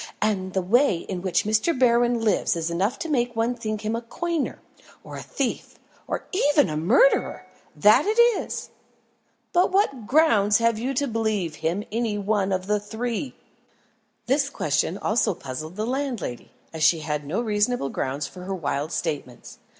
"And the way in which Mr. Berwin lives is enough to make one think him a coiner, or a thief, or even a murderer that it is!" "But what grounds have you to believe him any one of the three?" This question also puzzled the landlady, as she had no reasonable grounds for her wild statements.